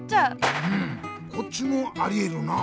うんこっちもありえるな。